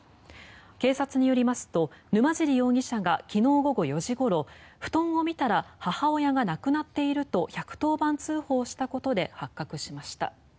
警察によりますと沼尻容疑者が昨日午後４時ごろ布団を見たら母親が亡くなっていると１１０番通報したことで発覚しました。